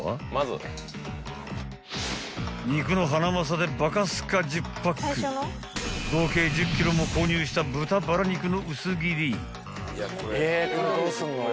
［肉のハナマサでバカスカ１０パック合計１０ｋｇも購入した豚バラ肉の薄切り］